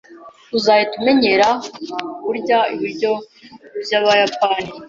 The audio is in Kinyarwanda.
Uzahita umenyera kurya ibiryo byabayapani